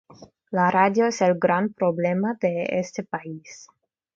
la radio es el gran problema de este país